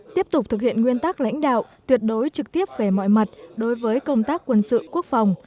tiếp tục thực hiện nguyên tắc lãnh đạo tuyệt đối trực tiếp về mọi mặt đối với công tác quân sự quốc phòng